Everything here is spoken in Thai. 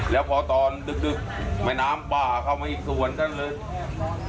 แล้วพอตอนดึกแม่น้ำป่าเข้ามาอีกสวนท่านเลย